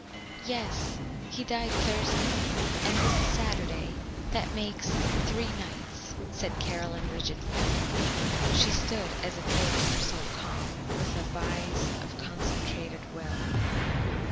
"Yes. He died Thursday and this is Saturday; that makes three nights," said Caroline rigidly. She stood as if holding herself calm with a vise of concentrated will.